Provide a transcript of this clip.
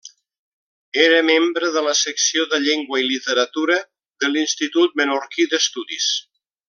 Era membre de la Secció de Llengua i Literatura de l'Institut Menorquí d'Estudis.